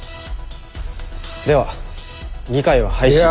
では議会は廃止。